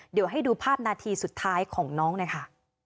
เดี๋ยวให้ดูภาพนาทีสุดท้ายของน้องหน่อยค่ะ